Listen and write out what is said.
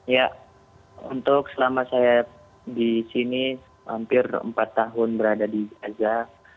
ya untuk selama saya di sini hampir empat tahun berada di gaza